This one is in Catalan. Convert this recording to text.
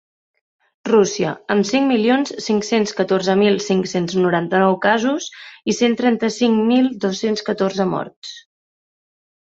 Rússia, amb cinc milions cinc-cents catorze mil cinc-cents noranta-nou casos i cent trenta-cinc mil dos-cents catorze morts.